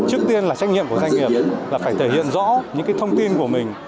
trước tiên là trách nhiệm của doanh nghiệp là phải thể hiện rõ những thông tin của mình